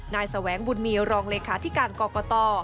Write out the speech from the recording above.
แสวงบุญมีรองเลขาธิการกรกต